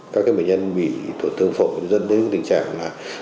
các bệnh nhân bị tổn thương phổi dẫn đến tình trạng là